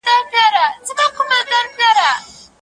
څه شی د میندو او پلرونو حقونه مشخصوي؟